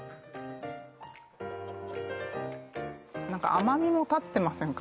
甘みもたってませんか？